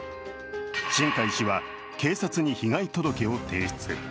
新開氏は警察に被害届を提出。